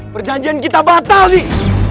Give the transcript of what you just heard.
perjanjian kita batal nih